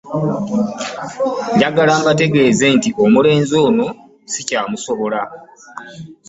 Njagala mbategeeze nti omulenzi ono sikyamusobola.